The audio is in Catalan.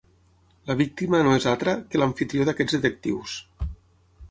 La víctima no és altra que l'amfitrió d'aquests detectius.